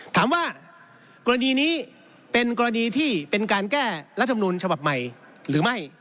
ถามว่ากรณีนี้เป็นกรณีที่เป็นการแก้รัฐมนุนฉบับใหม่หรือไม่